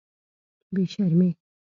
بې شرمې.